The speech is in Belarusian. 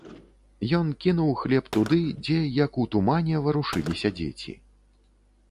Ён кінуў хлеб туды, дзе, як у тумане, варушыліся дзеці.